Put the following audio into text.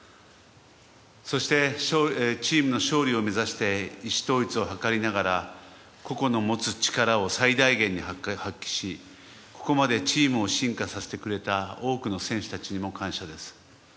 そして、チームの勝利を目指して意思統一を図りながら個々の持つ力を最大限に発揮しここまでチームを進化させてくれた多くの選手たちにも感謝です。